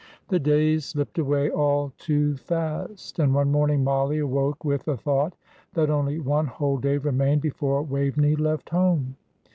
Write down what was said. The days slipped away all too fast; and one morning Mollie awoke with the thought that only one whole day remained before Waveney left home.